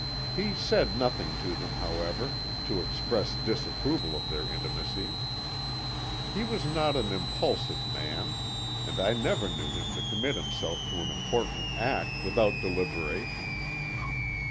He said nothing to them, however, to express disapproval of their intimacy. He was not an impulsive man, and I never knew him to commit himself to an important act without deliberation.